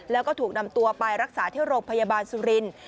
แล้วก็ถูกนำตัวไปรักษาที่โรงพยาบาลสุรินทร์